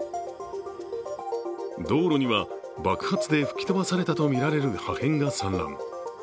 道路には爆発で吹き飛ばされたとみられる破片が散乱。